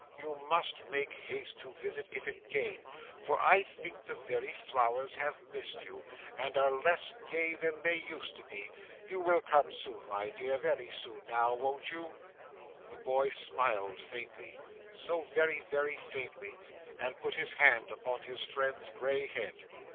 You must make haste to visit it again, for I think the very flowers have missed you, and are less gay than they used to be. You will come soon, my dear, very soon now won't you?' The boy smiled faintly so very, very faintly and put his hand upon his friend's grey head.